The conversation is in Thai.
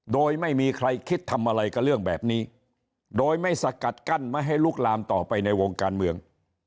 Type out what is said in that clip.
โดยไม่มีใครคิดทำอะไรกับเรื่องแบบนี้โดยไม่สกัดกั้นไม่ให้ลุกลามต่อไปในวงการเมือง